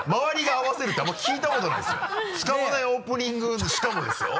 使わないオープニングしかもですよ。